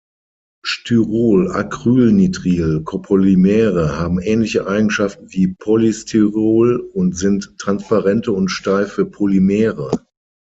Styrol-Acrylnitril-Copolymere haben ähnliche Eigenschaften wie Polystyrol und sind transparente und steife Polymere.